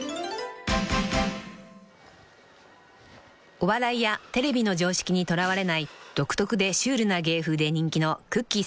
［お笑いやテレビの常識にとらわれない独特でシュールな芸風で人気のくっきー！